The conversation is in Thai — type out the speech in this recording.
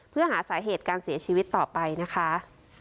เพื่อหาสาเหตุการเสียชีวิตต่อไปนะคะ